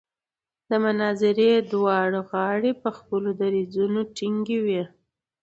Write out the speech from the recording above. د مناظرې دواړه غاړې په خپلو دریځونو ټینګې وې.